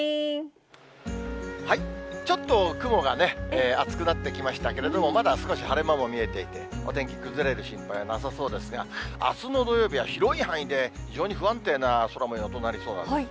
ちょっと雲がね、厚くなってきましたけれども、まだ少し晴れ間も見えていて、お天気崩れる心配なさそうですが、あすの土曜日は広い範囲で非常に不安定な空もようとなりそうなんです。